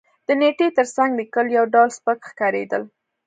د نېټې تر څنګ لېکل یو ډول سپک ښکارېدل.